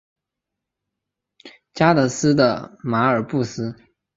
加的斯的巴尔布斯。